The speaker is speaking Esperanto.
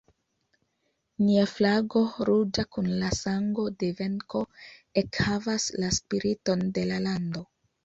Nia flago, ruĝa kun la sango de venko, ekhavas la spiriton de la lando.